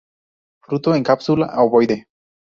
Fruto en cápsula, ovoide.